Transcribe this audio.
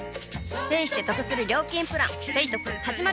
ペイしてトクする料金プラン「ペイトク」始まる！